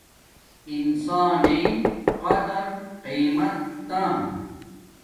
انسانی قرد قیمت نا